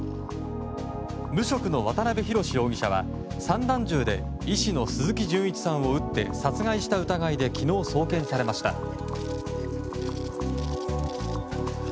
無職の渡辺宏容疑者は散弾銃で医師の鈴木純一さんを撃って殺害した疑いで昨日、送検されました。